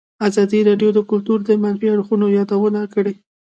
ازادي راډیو د کلتور د منفي اړخونو یادونه کړې.